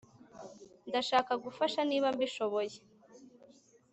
ndashaka gufasha niba mbishoboye